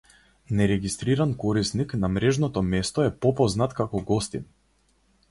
Нерегистриран корисник на мрежното место е попознат како гостин.